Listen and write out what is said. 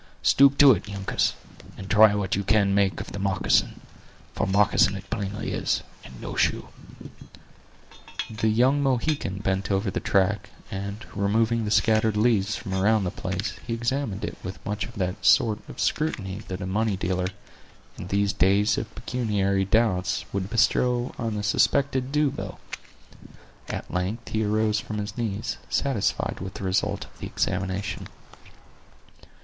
Stoop to it, Uncas, and try what you can make of the moccasin; for moccasin it plainly is, and no shoe." The young Mohican bent over the track, and removing the scattered leaves from around the place, he examined it with much of that sort of scrutiny that a money dealer, in these days of pecuniary doubts, would bestow on a suspected due bill. At length he arose from his knees, satisfied with the result of the examination.